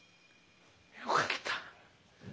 よかった。